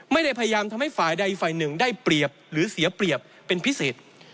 ไม่ได้พยายามทำให้ฝ่ายใดฝ่ายหนึ่งได้เปรียบหรือเสียเปรียบเป็นพิเศษ